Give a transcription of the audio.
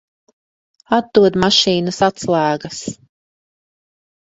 Atdod mašīnas atslēgas.